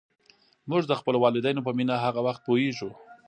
موږ د خپلو والدینو په مینه هغه وخت پوهېږو.